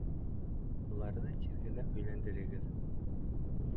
Уларҙы тиҙ генә өйләндерегеҙ